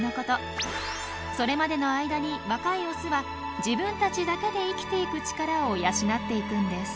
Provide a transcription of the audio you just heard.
それまでの間に若いオスは自分たちだけで生きてゆく力を養っていくんです。